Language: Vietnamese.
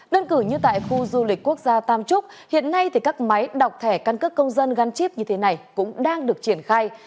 đơn cử như tại khu du lịch quốc gia tam trúc hiện nay thì các máy đọc thẻ căn cước công dân gắn chip như thế này cũng đang được triển khai